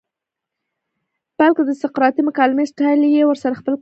بلکه د سقراطی مکالمې سټائل ئې ورسره خپل کړۀ